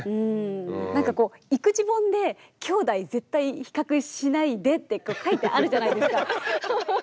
なんかこう育児本できょうだい絶対比較しないでって書いてあるじゃないですか。